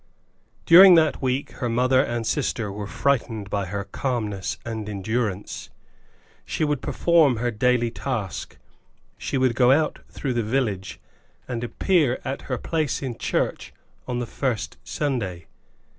During that week her mother and sister were frightened by her calmness and endurance. She would perform her daily task. She would go out through the village, and appear at her place in church on the first Sunday.